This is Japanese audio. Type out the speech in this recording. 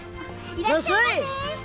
いらっしゃいませ！